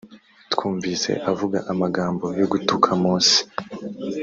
twumvise avuga amagambo yo gutuka mose